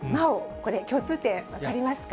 これ、共通点、分かりますか？